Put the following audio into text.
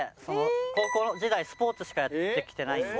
高校時代スポーツしかやってきてないんで。